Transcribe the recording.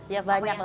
ya banyak lah